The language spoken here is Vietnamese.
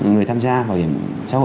người tham gia bảo hiểm xã hội